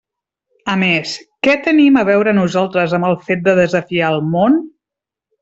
A més, ¿què tenim a veure nosaltres amb el fet de desafiar el món?